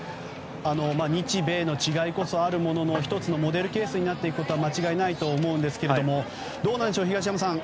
日米の違いこそあるものの１つのモデルケースになっていくことは間違いないと思うんですがどうなんでしょう、東山さん。